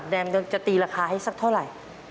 จะตีราคาให้สักเท่าไหร่